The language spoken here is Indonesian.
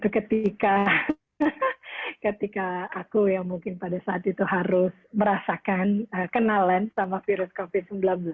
ketika aku yang mungkin pada saat itu harus merasakan kenalan sama virus covid sembilan belas